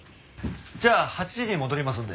じゃあ８時に戻りますので。